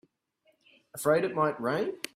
Afraid it might rain?